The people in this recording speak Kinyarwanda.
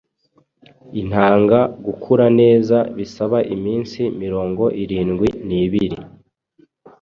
Intanga gukura neza bisaba iminsi mirongo irindwi nibiri